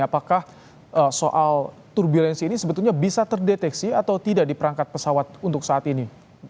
apakah soal turbulensi ini sebetulnya bisa terdeteksi atau tidak di perangkat pesawat untuk saat ini